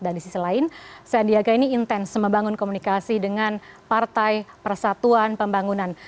di sisi lain sandiaga ini intens membangun komunikasi dengan partai persatuan pembangunan